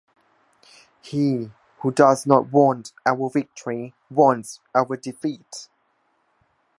He who does not want our victory wants our defeat.